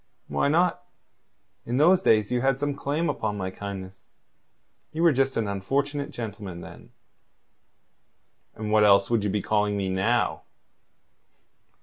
"Why not? In those days you had some claim upon my kindness. You were just an unfortunate gentleman then." "And what else would you be calling me now?"